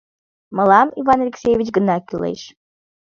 Мылам Иван Алексеевич гына кӱлеш.